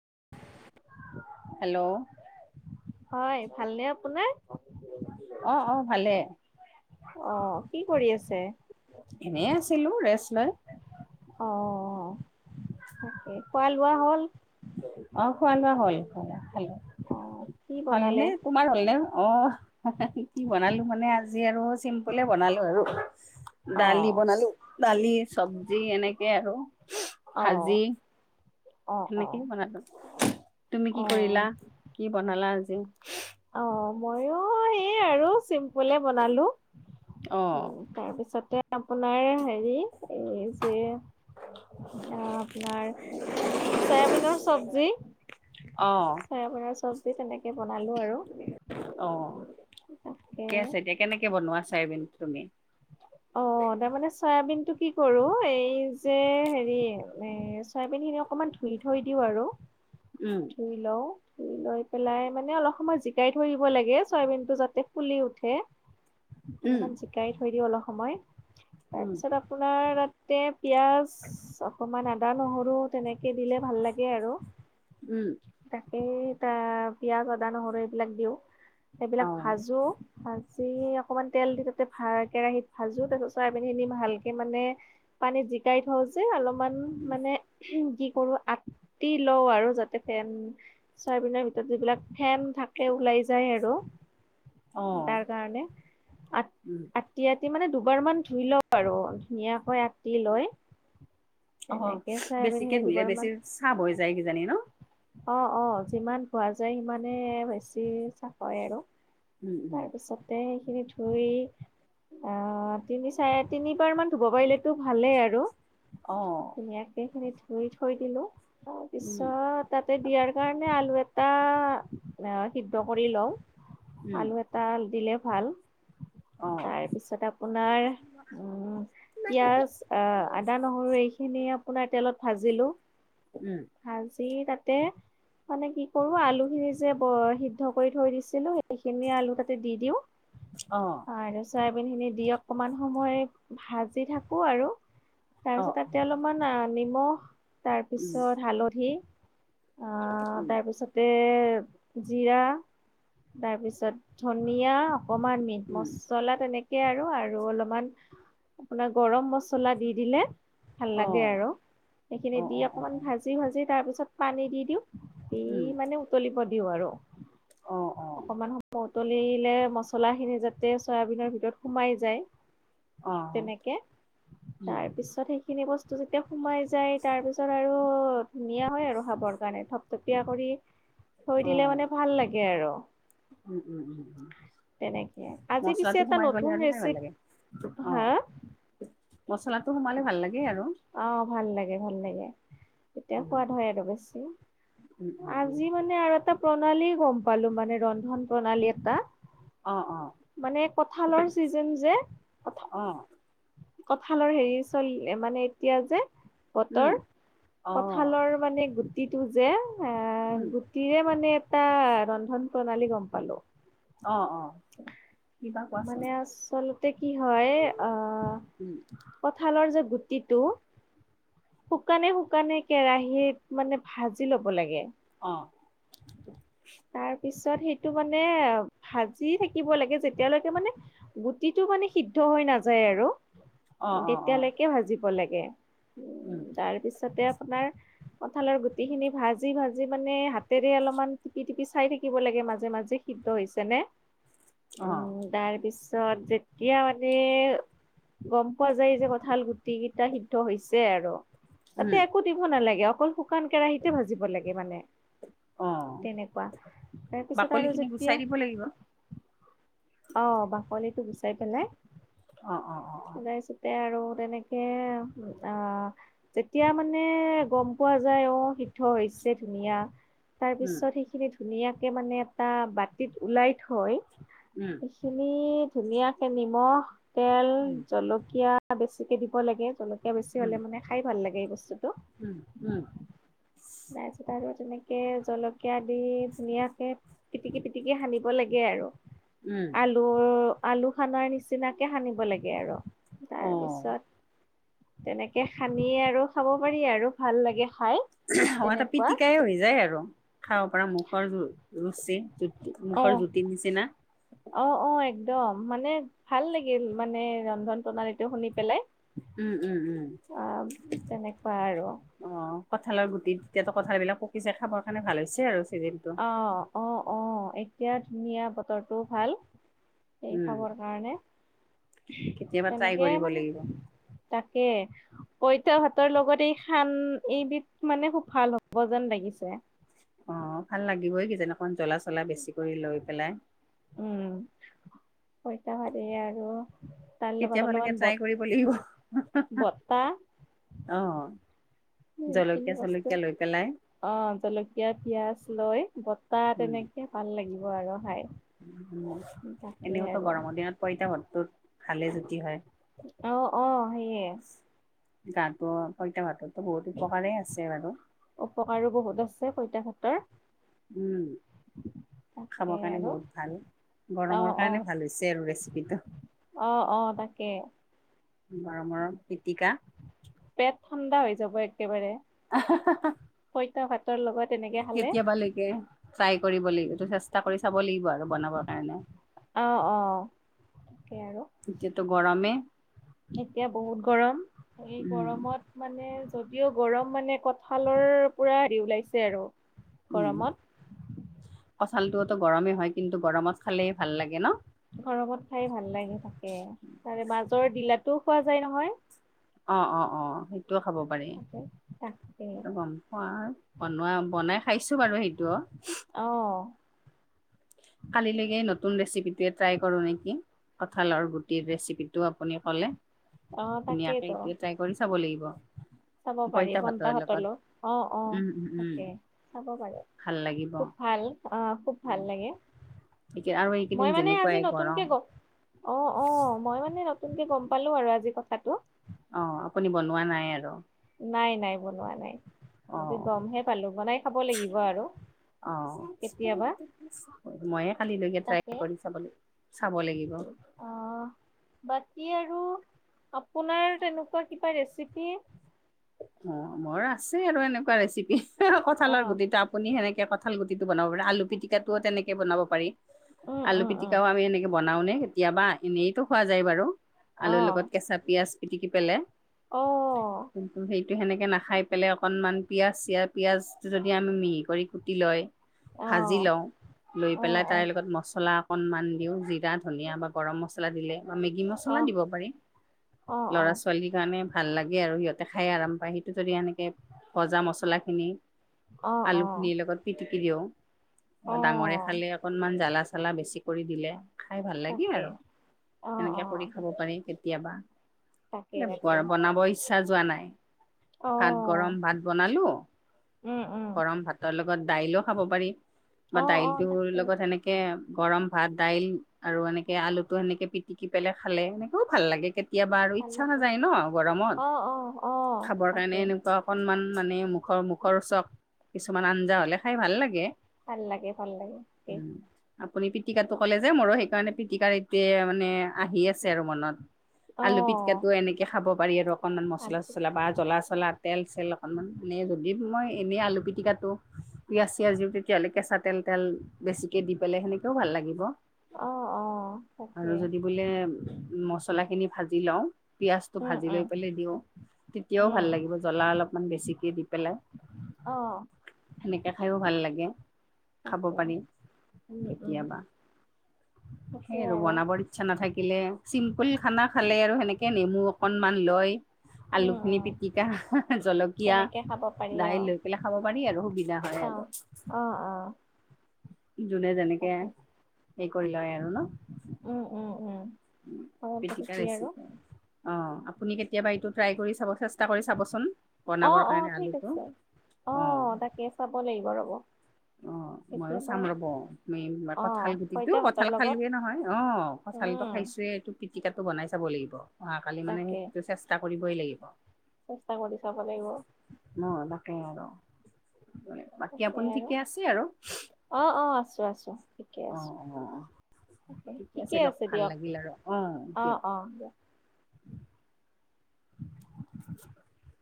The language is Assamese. [inaudible] হেল্ল' হয়, ভালনে আপোনাৰ? অ অ ভালে। অ কি কৰি আছে? এনে আছিলো ৰেষ্ট লৈ। অ তাকে খোৱা লোৱা হ'ল? অ খোৱা লোৱা হ'ল। খালে, খালো। অ', কি বনালে? হ'লনে তোমাৰ হ'লনে? অ। কি কি বনালো মানে আজি আৰু চিম্পলে বনালো আৰু। দালি অ', বনালো দালি, চবজি এনেকে আৰু ভাজি অ', অ', সেনেকেই অ'। বনালো তুমি কি কৰিলা, অ', কি বনালা আজি? অ মইয়ো সেই আৰু চিম্প পোলে বনালো অ উ তাৰপিছতে আপোনাৰ হেৰি এই যে এয়া আপোনাৰ চয়াবিনৰ চবজি অ চয়াবিনৰ চবজি তেনেকে বনালো আৰু। অ ঠিকে তাকে আছে এতিয়া কেনেকে বনোৱা চাইবিন তুমি? অ তাৰমানে চয়াবিনটো কি কৰো এই যে হেৰি মানে চয়াবিন খিনি অকমান ধুই থৈ দিওঁ আৰু উম ধুই লও ধুই লৈ পেলাই মানে অলপ সময় জিকাই থৈ দিব লাগে চয়াবিন টো যাতে ফুলি উঠে উম অলপমান জিকাই থৈ দিওঁ অলপ সময় উম তাৰপিছত আপোনাৰ তাতে পিঁয়াজ অকণমান আদা, নহৰু তেনেকে দিলে ভাল লাগে আৰু উম তাকেই তা পিঁয়াজ, আদা, নহৰু এইবিলাক দিওঁ এইবিলাক অ ভাজো ভা জি অকণমান তেল দি তাতে ভা কেৰাহিত ভাজো তাৰপিছত চয়াবিন খিনি ভালকে মানে পানীত জিকাই থওঁ যে অলপমান মানে কি কৰো আটি লও আৰু যাতে ফেন চয়বিনৰ ভিতৰত যিবিলাক ফেন থাকে ওলাই যাই আৰু অ তাৰকাৰনে আট উম আটি আ টি মানে দুবাৰ মান ধুই লওঁ আৰু ধুনীয়াকৈ আটি লৈ অহ তেনেকে বেছিকে চয়াবিনখিনি ধুলে বেছি দুবাৰমান চাফ হৈ যায় কিজানি ন অ' অ যিমান ধোৱা যায় সিমানে বেছি চাফা হয় আৰু উম উম। তাৰ পিছতে সেইখিনি ধুই অ', তিনি চাৰে তিনিবাৰমান ধুব পাৰিলেতো ভালেই আৰু অ' ধুনীয়াকে সেইখিনি ধুই থৈ দিলোঁ উম তাৰপিছত তাতে দিয়াৰ কাৰণে আলু এটা অ', সিদ্ধ কৰি লও উম আলু এটা দিলে ভাল অ তাৰপিছত আপোনাৰ উম পিঁয়াজ আহ আদা, নহৰু এইখিনি আপোনাৰ তেলত ভাজিলো উম ভাজি তাতে মানে কি কৰো আলু খিনি যে ব সিদ্ধ কৰি থৈ দিছিলোঁ সেইখিনি আলু তাতে দি দিওঁ অ আৰু চয়াবিনখিনি দি অকণমান সময় ভাজি থাকোঁ আৰু অ তাৰপিছত অ তাতে অলপমান নিমখ, উম তাৰপিছত হালধি আহ', উম তাৰপিছতে জিৰা তাৰপিছত ধনিয়া অকণমান উম মিটমচ ছলা তেনেকে আৰু, আৰু অলপমান আপোনাৰ গৰম মছলা দি দিলে ভাল অ লাগে আৰু অ সেইখিনি দি অ অ অ অকণমান ভাজি ভাজি তাৰপিছত পানী দি দিওঁ দি উম মানে উতলিব দিওঁ আৰু অ' অ' অকণমান সময় উতলিলে মছলাখিনি যাতে চয়াবিনৰ ভিতৰত সোমাই যায়', অ তেনেকে উম তাৰ পিছত সেইখিনি বস্তু', হেতু যেতিয়া সোমাই যায় তাৰ পিছত আৰু ধুনীয়া হয় আৰু খাবৰ কাৰণে থপথপীয়া কৰি', থৈ অ দিলে মানে ভাল লাগে আৰু', উম', উম', উম', উম', তেনেকে আজি পিছে মছলাটো এটা সোমাই গ'লে নতুন আৰু খাই ভাল লাগে। ৰেচিপি হা অ', মছলাটো সোমালে ভাল লাগে আৰু', অ', ভাল লাগে, ভাল লাগে', তেতিয়া উম সোৱাদ হয় আৰু বেছি, উম উম উম আজি মানে আৰু এটা', প্ৰণালী গম পালোঁ মানে ৰন্ধন প্ৰণালী এটা', অ' অ' মানে কঁঠালৰ ছিজেন যে' অ' কঁঠালৰ হেৰি চলি, মানে এতিয়া যে' উম বতৰ, অ কঠালৰ মানে গুটিটো যে এ উম গুটিৰে মানে এটা ৰন্ধন প্ৰণালী গ'ম পালোঁ। শনন অ' অ'। কিবা কোৱাচোন মানে আচলতে কি হয় আহ' উম কঁঠালৰ যে গুটিটো শুকানে শুকানে কেৰাহীত মানে ভাজি ল'ব লাগে। অ' তাৰ পিছত সেইটো মানে ভাজি থাকিব লাগে যেতিয়ালৈকে মানে গুটিটো মানে সিদ্ধ হৈ নাযায় আৰু অ অ অ তেতিয়ালৈকে ভাজিব লাগে। উম' তাৰ পিছতে আপোনাৰ কঠালৰ গুটি খিনি ভাজি ভাজি মানে হাতেৰে অলপমান পিটিকি চাই থাকিব লাগে মাজে মাজে সিদ্ধ হৈছে নে? অ' তাৰপিছত তেতিয়া মানে গ'ম পোৱা যায় যে কঁঠাল গুটি কেইটা সিদ্ধ হৈছে আৰু। উম তাতে একো দিব নালাগে অকল শুকান কেৰাহিতে ভাজিব লাগে মানে। অ' তেনেকুৱা তাৰপিছত আৰু বাকলিখিনি যেতিয়া গুচাই দিব লাগিব। অ' বাকলিটো গুচাই পেলাই অ অ অ অ তাতে আৰু তেনেকে আহ'- যেতিয়া মানে গ'ম পোৱা যায় অ' সিদ্ধ হৈছে ধুনীয়া, তাৰ উম পিছত সেইখিনি ধুনীয়াকে মানে এটা বাতিত ওলাই থৈ উম' এই খিনি ধুনীয়াকে নিমখ তেল উম জলকীয়া বেছিকে দিব লাগে জলকীয়া বেছি উম হ'লে মানে খাই ভাল লাগে এই বস্তুটো। উম' উম' তাৰপিছত তেনেকে জলকীয়া দি ধুনীয়াকে পিটিকি পিটিকি সানিব লাগে আৰু। উম' আলু- আলু খানাৰ নিচিনাকে সানিব লাগে আৰু। অ তাৰপিছত তেনেকে সানি আৰু খাব পাৰি আৰু ভাল লাগে খাই অ তো তেনেকুৱা। পিটিকাই হৈ যায় আৰু খাব পৰা মুখৰ ৰুচি জু মুখৰ অ'। জুতিৰ নিচিনা অ অ একদম মানে ভাল লাগিল মানে ৰন্ধন প্ৰণালীটো শুনি পেলাই উম উম উম অ তেনেকুৱা আৰু অ কঁঠালৰ গুটিত এতিয়াতো কঁঠাল বিলাক পকিছে খাবৰ কাৰণে ভাল হৈছে আৰু চিজনটো অ অ অ এতিয়া ধুনীয়া বতৰটোও ভাল সেই উম খাবৰ কাৰণে কেতিয়াবা ট্ৰাই তেনেকেই কৰিব লাগিব মানে তাকে পঁইতা ভাতৰ লগত এই খান এইবিধ মানে খুব ভাল হব যেন লাগিছে অ ভাল লাগিবই কিজান অকমান জ্বলা চলা বেছি কৰি লৈ পেলাই উম পইতা ভাত এয়া আৰু তাৰ লগত কেতিয়াবালৈকে অলপমান বত ট্ৰাই কৰিব লাগিব [unintelligible] বটা অ উম এইখিনি জলকীয়া বস্তু চলকীয়া লৈ পেলাই অ জলকীয়া পিয়াজ লৈ বতাত উম এনে কি ভাল লাগিব আৰু খাই তাকে এনেওতো আৰু গৰমৰ দিনত পইতা ভাতটো খালে জুতি হয় অ অ সেইয়ে গাটো পইতা ভাতৰতো বহুত উপকাৰেই আছে বাৰু উপকাৰো বহুত আছে পইতা ভাতৰ উম তাকে খাবৰ কাৰণে আৰু বহুত ভাল, অ গৰমৰ অ কাৰণে ভাল হৈছে আৰু ৰেচিপিটো। অ অ তাকে। গৰমৰ পিতিকা। পেট ঠাণ্ডা হৈ যাব একেবাৰে। আ হা হা পঁইতা ভাতৰ লগত এনেকে খালে কেতিয়াবা লৈকে ট্ৰাই কৰিব লাগিব, এইটো চেষ্টা কৰি চাব লাগিব আৰু বনাবৰ কাৰণে। অ অ তাকে আৰু। এতিয়াটো গৰমে। এতিয়া বহুত গৰম, এই উম, গৰমত মানে যদিও গৰম মানে কঠালৰ পুৰা হেৰি ওলাইছে আৰু উম গৰমত কঠালটোতো গৰমেই হয়, কিন্তু গৰমত খালেই ভাল লাগে ন গৰমত খাই ভাল লাগে তাকে, তাৰে মাজৰ ডিলাটোও খোৱা যায় নহয়। অ অ অ সেইটোও খাব পাৰে, তাকে সেইটো গম পোৱা বনোৱা বনাই খাইছো বাৰু সেইটোও অ কালিলৈকে নতুন ৰেচিপিটোৱে ট্ৰাই কৰো নেকি কঁঠালৰ গুটিৰ ৰেচিপিটো আপুনি ক'লে। অ ধুনীয়াকে তাকেইতো এইটোৱে ট্ৰাই কৰি চাব লাগিব। খাব পাৰি পইতা ভাতৰ লগত, অ অ উম, উম, উম, তাকে খাব পাৰে। ভাল লাগিব। খুব ভাল অ খুব ভাল লাগে। এতিয়া আৰু এইকেইদিন মই মানে আজি যেনেকুৱাই নতুনকে গৰম ক অ অ মই মানে নতুনকে গম পালো আৰু আজি কথাটো। অ আপুনি বনোৱা নাই আৰু নাই নাই বনোৱা নাই আজি অ'। গমহে পালো বনাই খাব লাগিব আৰু অ কেতিয়াবা মইয়ে কালিলৈকে তাকে ট্ৰাই কৰি চাব লে চাব লাগিব। অহ বাকী আৰু আপোনাৰ তেনুকুৱা কিবা ৰেচিপি? অ মোৰ আছে আৰু এনেকুৱা ৰেচিপি, অ কঁঠালৰ গুটি তা আপুনি সেনেকে কঁঠাল গুটিটো বনাব পাৰে, আলু পিটিকাটো তেনেকে বনাব পাৰি, উম আলু উম উম পিটকাও আমি হেনেকে বনাওঁনে কেতিয়াবা এনেইতো খোৱা যায় বাৰু অ আলুৰ লগত কেঁচা পিঁয়াজ পিটিকি পেলাই। অ কিন্তু সেইটো সেনেকে নাখাই পেলাই অকণমান পিঁয়াজ চিয়া পিঁয়াজটো যদি আমি মিহি কৰি কুটি লয় অ ভাজি লওঁ লৈ অ পেলাই অ তাইৰ লগত মছলা অকনমান দিওঁ দি যা অ', ধনিয়া বা গৰম মছলা দিলে বা মেগী মছলা অ', দিব পাৰি। ল'ৰা অ', ছোৱালীৰ কাৰণে ভাল লাগে আৰু সিহঁত তেখাই আৰাম পায়, সেইটো যদি এনেকে ভজা মছলাখিনি অ', অ', আলুখিনিৰ লগত পিটিকি দিওঁ বা ডাঙৰে অ', খালে অকণমান জ্বালা চালা বেছি কৰি দিলে খাই ভাল লাগে তাকে আৰু অ', এনেকে কৰি অ', খাব পাৰি কেত তিয়াবা, তাকে এ তাকে বৰ বনাব ইচ্ছা যোৱা নাই ভাত গৰম অ', ভাত বনালো, উম, উম, গৰম ভাতৰ ল গত দাইলো খাব পাৰি বা অ', অ', দাইলটোৰ তাকে লগত সেনেকে গৰম ভাত দাইল আৰু এনেক আলুটো এনেকে পিটিকি পেলাই খালে, এনেকেও ভাল লাগে কেত তিয়াবা আৰু ভাল ইচ্ছা লাগে নাযায় ন গৰমত অ', অ', অ', খাবৰ কাৰণে তাকে এনুকুৱা অকনমান মানে মুখৰ মুখৰ চক কিছুমান আঞ্জা হ'লে খাই ভাল লাগে। ভাল লাগে ভাল লাগে ঠিকে। উম, আপুনি পিতিকাটো ক'লে যে, মোৰো সেইকাৰণে পিতিকাৰ এতিয়া মানে আহি আছে আৰু মনত। অ', আলু পিটকাটো এনেকে খাব পাৰি আৰু অকনমান ভাল মছলা চছলা বা জ্বলা চলাত তেল চেল অকণমান এনেই যদি মই এনেই আলু পিটিকাটো পিয়াছ চিয়াজ দিও তেতিয়াহ'লে কেঁচা তেল তেল বেছিকে দি পেলাই সেনেকেও ভাল লাগিব। অ', অ তাকে আৰু যদি বোলে মছ চলা খিনি ভাজি লও পিয়াছটো উম, ভাজি লৈ উম, পেলাই দিও তেতিয়াও উম, ভাল লাগে। জ্বলা অলপমান বেছিকে দি পেলাই অহ। সেনেকে খাইও ভাল লাগে। খাব তাকে পাৰি উম, উম, কেতিয়াবা সেই আৰু বনাবৰ ই চ্ছা নাথাকিলে চিম্পুল খানা খালে আৰু সেনেকে নেমু অকনমান লৈ উম, আলুখিনি উম পিটিকা জলকীয়া তেনেকে খাব পাৰি দাইল অ', লৈ পেলাই খাব পাৰি আৰু সুবিধা হয় অ', আৰু। অ অ যোনে যেনেকে তাকে হেৰি কৰি লয় আৰু ন। উ উ উ উ পিটিকাৰ ৰেচিপি। অ আপুনি কেতিয়াবা এইটো ট্ৰাই কৰি চাব চেষ্টা কৰি চাবচোন। অ বনাবৰ অ কাৰণে ঠিক আলুটো আছে অ তাকে চাব লাগিব ৰ'ব। অ ময়ো কেতিয়াবা চাম ৰ'ব মে কঁঠাল অ', গুটিটো পঁইতা ভাতৰ কঁঠাল লগত খালোৱে নহয় অ কঁঠালটো উম, খাইছোৱে এইটো পিটিকাটো বনাই চাব লাগিব অহাকালি মানে তাকে এইটো চেষ্টা কৰিবই লাগিব। চেষ্টা কৰি চাব লাগিব। ম তাকে আৰু কি কয় বাকী তাকে আপুনি আৰু ঠিকে আছে আৰু? অ অ আছো আছো। ঠিকে অ আছে অ ঠিকে আছে ভাল দিয়ক লাগিল আৰু অ অঁ দিয়ক অঁ দিয়ক। [inaudible] [inaudible]